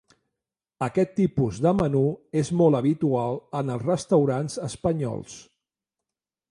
Aquest tipus de menú és molt habitual en els restaurants espanyols.